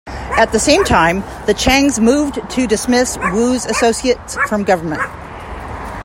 At the same time, the Chiangs moved to dismiss Wu's associates from government.